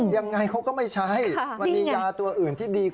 ยังไงเขาก็ไม่ใช้มันมียาตัวอื่นที่ดีกว่า